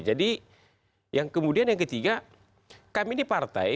jadi yang kemudian yang ketiga kami ini partai